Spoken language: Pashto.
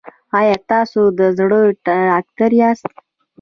ایا تاسو د زړه ډاکټر یاست؟